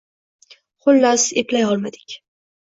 «Xullas, eplay olmadik.